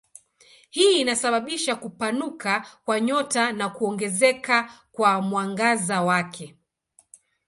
Hii inasababisha kupanuka kwa nyota na kuongezeka kwa mwangaza wake.